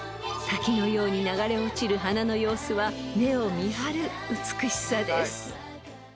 ［滝のように流れ落ちる花の様子は目を見張る美しさです］